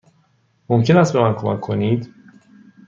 ممکن است به من کمک کنید؟